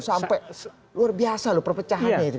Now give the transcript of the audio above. sampai luar biasa loh perpecahannya itu